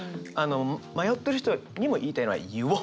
迷ってる人にも言いたいのが「言おう！」。